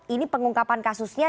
ini pengungkapan kasusnya